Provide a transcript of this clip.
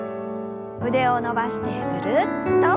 腕を伸ばしてぐるっと。